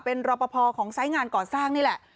เป็นรอปภของไซส์งานก่อสร้างนี่แหละ